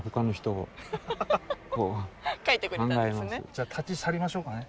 じゃあ立ち去りましょうかね。